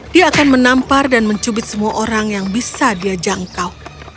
dia akan menampar dan mencubit semua orang yang bisa dia jangkau